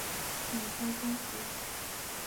美哉东湖！